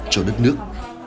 cho đất nước